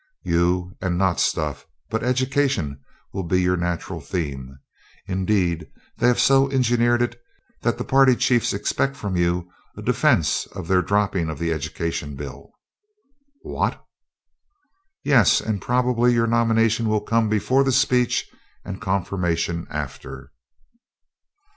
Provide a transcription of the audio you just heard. "You and not stuff, but 'Education' will be your natural theme. Indeed, they have so engineered it that the party chiefs expect from you a defence of their dropping of the Educational Bill." "What!" "Yes, and probably your nomination will come before the speech and confirmation after."